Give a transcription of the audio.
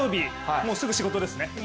もうすぐ仕事ですね。